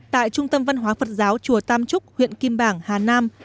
tại trung tâm văn hóa phật giáo chùa tam trúc huyện kim bảng hà nam